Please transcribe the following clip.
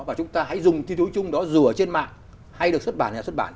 và chúng ta hãy dùng tiêu chí chung đó dù ở trên mạng hay được xuất bản hay không được xuất bản